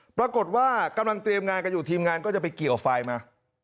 ปรากฏว่ากำลังเตรียมงานกันอยู่ทีมงานก็จะไปเกี่ยวไฟล์มา